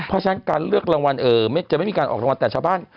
เพราะฉะนั้นการเลือกรางวัลจะไม่มีการออกรางวัลแต่ชาวบ้าน